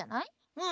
うん。